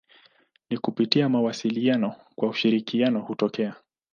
Ni kupitia mawasiliano kwamba ushirikiano hutokea.